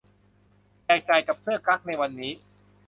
แจกจ่ายกับเสื้อกั๊กในวันนี้